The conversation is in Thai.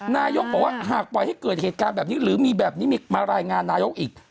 นายกบอกว่าหากปล่อยให้เกิดเหตุการณ์แบบนี้หรือมีแบบนี้มีมารายงานนายกอีก